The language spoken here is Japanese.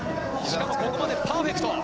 ここまでパーフェクト。